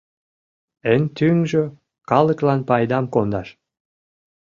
Эн тӱҥжӧ — калыклан пайдам кондаш!